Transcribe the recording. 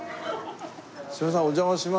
すいませんお邪魔します。